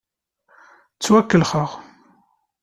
Ttwakellxeɣ.